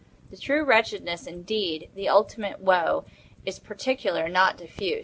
The true wretchedness, indeed—the ultimate woe——is particular, not diffuse.